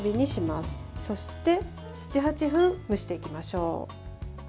そして、７８分蒸していきましょう。